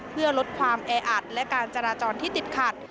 เพื่อลดความแออัดและการจราจรที่ติดขัด